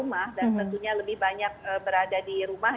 dan tentunya lebih banyak berada di rumah